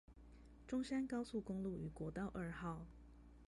中山高速公路與國道二號